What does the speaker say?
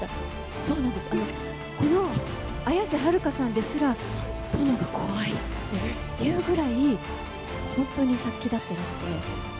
そうなんですよ、この綾瀬はるかさんですら、殿が怖いって言うぐらい、本当に殺気立っていらして。